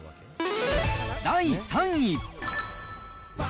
第３位。